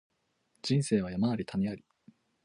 人生は山あり谷あり